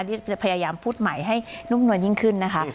ที่จะพยายามพูดใหม่ให้นุ่มนวลยิ่งขึ้นนะคะ